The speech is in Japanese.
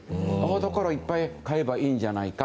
だから、いっぱい買えばいいんじゃないか。